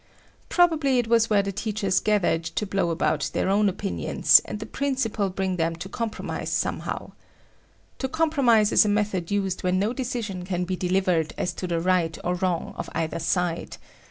Probably it was where the teachers gathered to blow about their own opinions and the principal bring them to compromise somehow. To compromise is a method used when no decision can be delivered as to the right or wrong of either side.